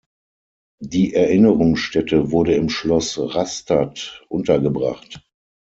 Die Erinnerungsstätte wurde im Schloss Rastatt untergebracht.